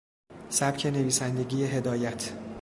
سبک نویسندگی هدایت